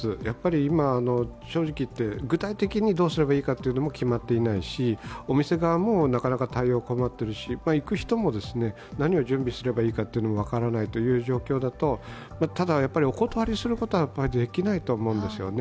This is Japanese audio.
今、正直言って具体的にどうすればいいかも決まっていないし、お店側も対応に困ってるし、行く人も何を準備すればいいか分からない状況だとただ、お断りすることはできないと思うんですよね。